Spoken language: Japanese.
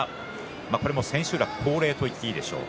千秋楽恒例と言ってもいいでしょう。